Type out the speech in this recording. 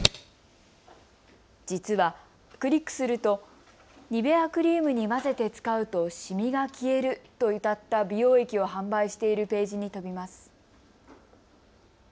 実は、クリックするとニベアクリームに混ぜて使うとシミが消えるとうたった美容液を販売しているページに飛びます。